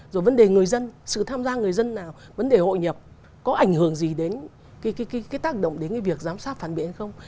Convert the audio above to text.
rồi vấn đề người dân sự tham gia người dân nào vấn đề hội nhập có ảnh hưởng gì đến cái tác động đến cái việc giám sát phản biện hay không